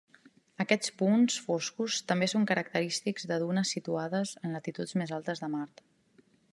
Aquests punts foscos també són característics de dunes situades en latituds més altes de Mart.